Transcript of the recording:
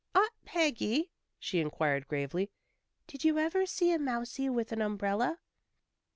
"Aunt Peggy," she inquired gravely, "did you ever see a mousie with an umbrella?"